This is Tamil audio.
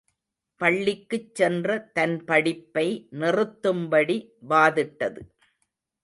பள்ளிக்குச் சென்ற தன் படிப்பை நிறுத்தும்படி வாதிட்டது.